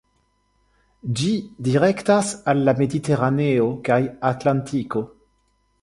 Ĝi direktas al la Mediteraneo kaj Atlantiko.